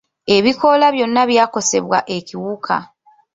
Ebikoola byonna byakosebwa ekiwuka.